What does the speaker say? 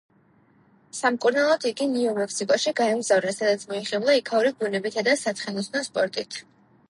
სამკურნალოდ იგი ნიუ-მექსიკოში გაემგზავრა, სადაც მოიხიბლა იქაური ბუნებითა და საცხენოსნო სპორტით.